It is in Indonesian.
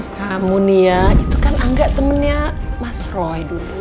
kamu nih ya itu kan angga temennya mas roy dulu